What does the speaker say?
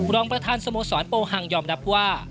รองประธานสโมสรโปฮังยอมรับว่า